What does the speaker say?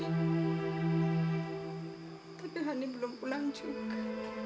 tapi hani belum pulang juga